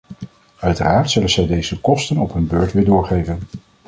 Uiteraard zullen zij deze kosten op hun beurt weer doorgeven.